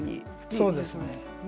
そうですね。